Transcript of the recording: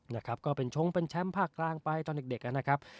นะครับก็เป็นชงเป็นแชมป์ภาคกลางไปตอนเด็กนะครับ